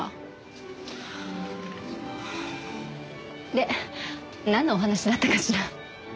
でなんのお話だったかしら。